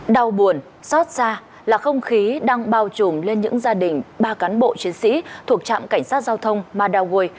đau buồn xót xa là không khí đang bao trùm lên những gia đình ba cán bộ chiến sĩ thuộc trạm cảnh sát giao thông madaway